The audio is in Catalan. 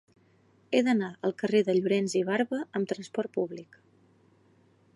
He d'anar al carrer de Llorens i Barba amb trasport públic.